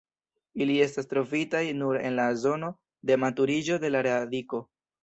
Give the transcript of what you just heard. Ili estas trovitaj nur en la zono de maturiĝo de la radiko.